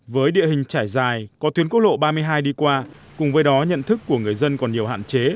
với địa hình trải dài có tuyến quốc lộ ba mươi hai đi qua cùng với đó nhận thức của người dân còn nhiều hạn chế